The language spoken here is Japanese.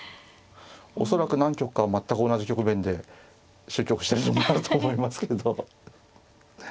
恐らく何局かは全く同じ局面で終局してるようになると思いますけど。